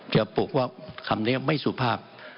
ปลุกว่าคำนี้ไม่สุภาพ